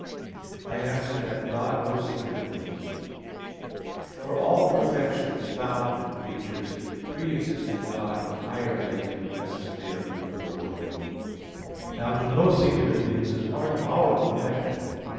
I answer that, God knows singular things. For all perfections found in creatures pre exist in God in a higher way, as is clear from the foregoing (Q. 4, A. 2). Now to know singular things is part of our perfection.